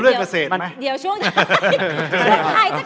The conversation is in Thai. แล้วต่อมา